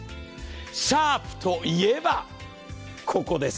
シャープといえば、ここです！